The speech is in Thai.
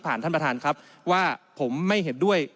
ท่านประธานครับว่าผมไม่เห็นด้วย